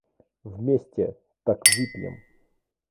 Вместе, так выпьем!